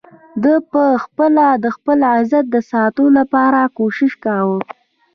ده په خپله د خپل عزت د ساتلو لپاره کوشش کاوه.